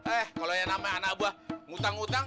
eh kalau yang namanya anak buah ngutang ngutang